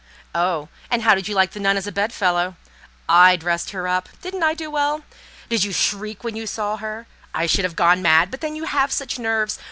"Oh, and how did you like the nun as a bed fellow? I dressed her up: didn't I do it well? Did you shriek when you saw her: I should have gone mad; but then you have such nerves!